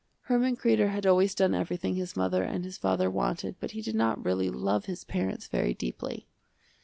Herman Kreder had always done everything his mother and his father wanted but he did not really love his parents very deeply.